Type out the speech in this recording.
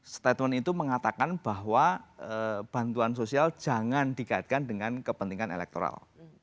statement itu mengatakan bahwa bantuan sosial jangan dikaitkan dengan kepentingan elektoral